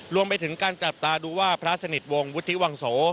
รวมไปถึงการจับตาดูว่าพระสนิทวงศ์วุฒิวังโส